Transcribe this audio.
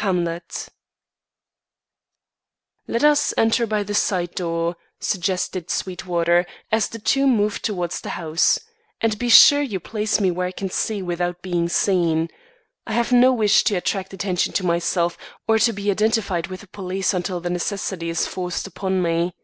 Hamlet. "Let us enter by the side door," suggested Sweetwater, as the two moved towards the house. "And be sure you place me where I can see without being seen. I have no wish to attract attention to myself, or to be identified with the police until the necessity is forced upon me."